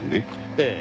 ええ。